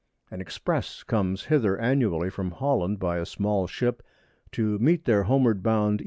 An Express comes hither annually from Holland by a small Ship, to meet their homeward bound _E.